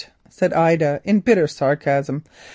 said Ida, in bitter sarcasm.